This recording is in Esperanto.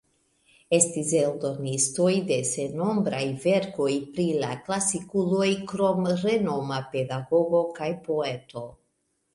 Estis eldonistoj de sennombraj verkoj pri la klasikuloj krom renoma pedagogo kaj poeto.